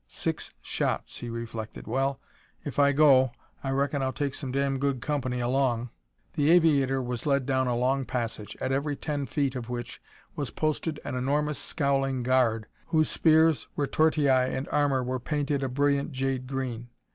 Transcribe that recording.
"Six shots," he reflected. "Well, if I go, I reckon I'll take some damn good company along." The aviator was led down a long passage, at every ten feet of which was posted an enormous scowling guard, whose spears, retortii and armor were painted a brilliant jade green.